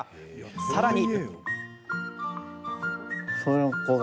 さらに。